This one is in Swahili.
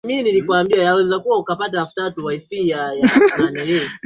inayotokana na maumbile ya mibuyu inayosadikiwa